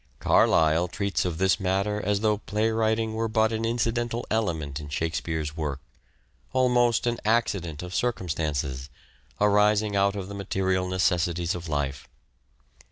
Carlyle treats of this matter as though play writing were but an incidental element in " Shakespeare's " work : almost an accident of circumstances, arising out of the material necessities of life.